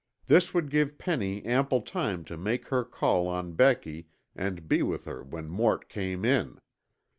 This would give Penny ample time to make her call on Becky and be with her when Mort came in.